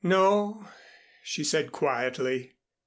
"No," she said quietly.